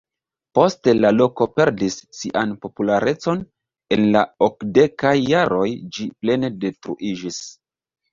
Poste la loko perdis sian popularecon, en la okdekaj jaroj ĝi plene detruiĝis.